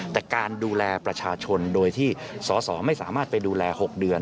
แต่การดูแลประชาชนโดยที่สอสอไม่สามารถไปดูแล๖เดือน